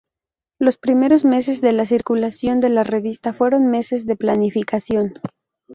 Los primeros meses de la circulación de la revista fueron meses de planificación.